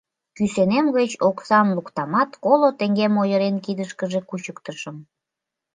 Кӱсенем гыч оксам луктамат, коло теҥгем ойырен, кидышкыже кучыктышым.